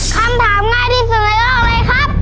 คำถามง่ายที่สุดในโลกเลยครับ